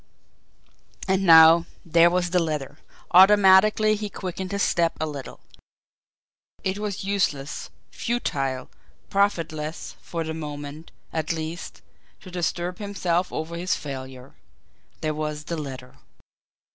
And now there was the letter! Automatically he quickened his steps a little. It was useless, futile, profitless, for the moment, at least, to disturb himself over his failure there was the letter!